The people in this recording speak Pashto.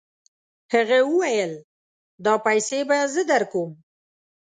هغه وویل دا پیسې به زه درکوم.